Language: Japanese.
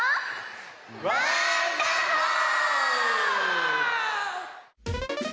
ワンダホー！